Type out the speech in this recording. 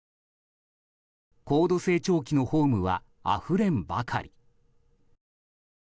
高度成長期のホームはあふれんばかり。